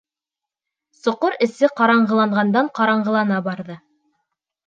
Соҡор эсе ҡараңғыланғандан-ҡараңғылана барҙы.